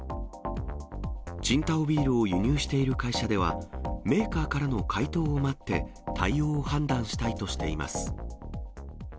青島ビールを輸入している会社では、メーカーからの回答を待って、対応を判断したいとしています。